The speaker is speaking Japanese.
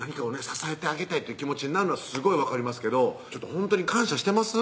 支えてあげたいという気持ちになるのはすごい分かりますけどほんとに感謝してます？